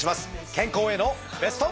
健康へのベスト。